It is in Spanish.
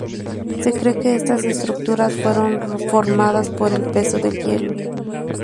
Se cree que estas estructuras fueron formadas por el peso del hielo.